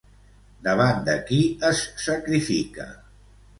Davant de qui es sacrifica?